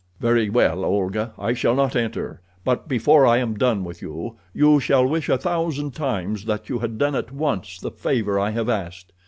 "Very well, Olga, I shall not enter; but before I am done with you, you shall wish a thousand times that you had done at once the favor I have asked.